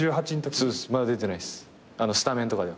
そうですまだ出てないですスタメンとかでは。